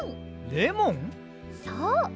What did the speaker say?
そう。